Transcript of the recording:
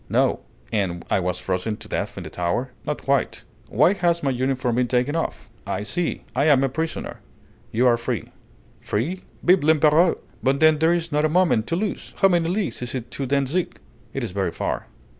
"No." "And I wasn't frozen to death in the tower?" "Not quite." "Why has my uniform been taken off? I see! I am a prisoner!" "You are free." "Free! Vive l'Empéreur! But then there's not a moment to lose! How many leagues is it to Dantzic?" "It's very far."